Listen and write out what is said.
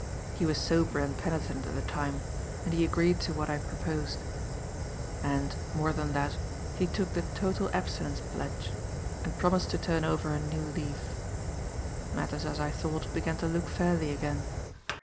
He was sober and penitent at the time; and he agreed to what I proposed. And, more than that, he took the Total Abstinence Pledge, and promised to turn over a new leaf. Matters, as I thought, began to look fairly again.